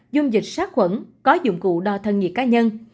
dung dịch sát khuẩn có dụng cụ đo thân nhiệt cá nhân